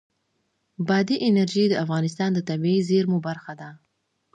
بادي انرژي د افغانستان د طبیعي زیرمو برخه ده.